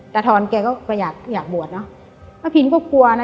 ทอนแกก็อยากอยากบวชเนอะป้าพินก็กลัวนะ